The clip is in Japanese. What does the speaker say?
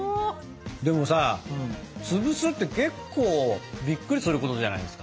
でもさつぶすって結構びっくりすることじゃないですか。